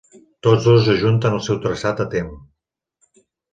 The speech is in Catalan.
Tots dos ajunten el seu traçat a Tremp.